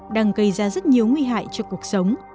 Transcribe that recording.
đang gây ra rất nhiều nguy hại cho cuộc sống